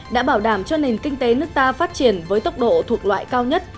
đã bảo đảm cho nền kinh tế nước ta phát triển với tốc độ thuộc loại cao nhất